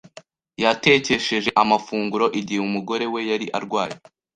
Yatekesheje amafunguro igihe umugore we yari arwaye.